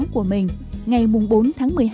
của mình ngày bốn tháng một mươi hai